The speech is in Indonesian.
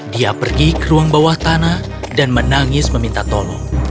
dia pergi ke ruang bawah tanah dan menangis meminta tolong